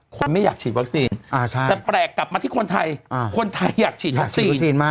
ไม่อยากฉีดวัคซีนแต่แปลกกลับมาที่คนไทยคนไทยอยากฉีดวัคซีน